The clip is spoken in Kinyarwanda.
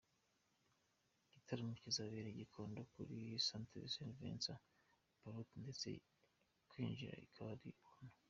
Igitaramo kizabera i Gikondo kuri Centre St Vincent Palloti ndetse kwinjira bikaba ari Ubuntu.